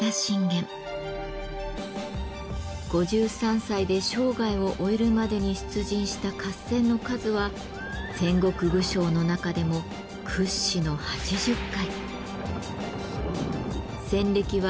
５３歳で生涯を終えるまでに出陣した合戦の数は戦国武将の中でも屈指の８０回。